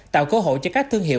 tạo cơ hội cho các thương hiệu